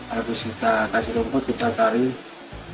habis kita kasih rumput kita tarik